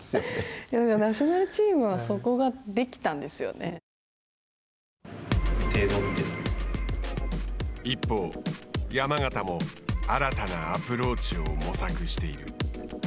ナショナルチームは一方、山縣も新たなアプローチを模索している。